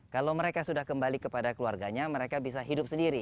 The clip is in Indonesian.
kalau mereka sudah kembali kepada keluarganya mereka bisa hidup sendiri